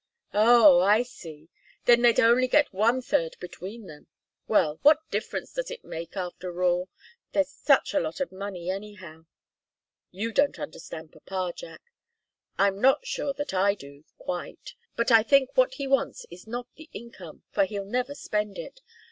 "Oh I see! Then they'd only get one third between them. Well what difference does it make, after all? There's such a lot of money, anyhow " "You don't understand papa, Jack. I'm not sure that I do quite. But I think what he wants is not the income, for he'll never spend it.